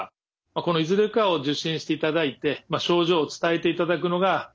このいずれかを受診していただいて症状を伝えていただくのがよいと思います。